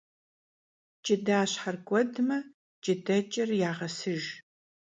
Cıdaşher k'uedme, cıdeç'ır yağesıjj.